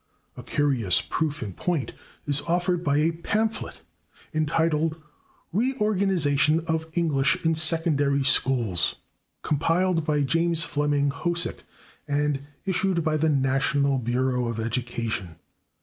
A curious proof in point is offered by a pamphlet entitled "Reorganization of English in Secondary Schools," compiled by James Fleming Hosic and issued by the National Bureau of Education.